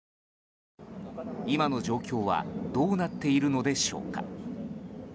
今の状況はどうなっているのでしょうか。